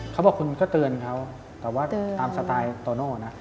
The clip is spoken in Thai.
เขาบอกคุณก็เตือนเขาแต่ว่าตามสไตล์โตโน่นะ